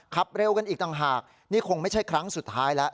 ขับเร็วกันอีกต่างหากนี่คงไม่ใช่ครั้งสุดท้ายแล้ว